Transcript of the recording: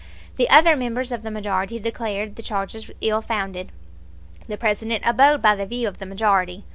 The other members of the majority declared the charges ill founded. The President abode by the view of the majority.